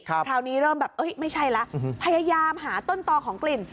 คราวนี้เริ่มแบบไม่ใช่แล้วพยายามหาต้นต่อของกลิ่น